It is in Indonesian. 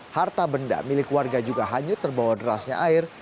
harta benda milik warga juga hanyut terbawa derasnya air